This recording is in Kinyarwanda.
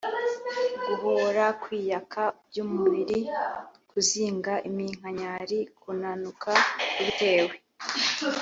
guhoora: kwiyaka by’umubiri, kuzinga iminkanyari, kunanuka ubitewe